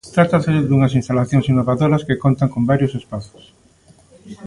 Trátase dunhas instalacións innovadoras que contan con varios espazos.